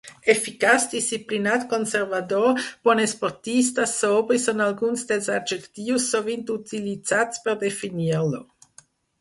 Eficaç, disciplinat, conservador, bon esportista, sobri, són alguns dels adjectius sovint utilitzats per definir-lo.